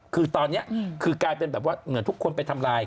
คือตอนนี้คือกลายเป็นแบบว่าเหมือนทุกคนไปทำลาย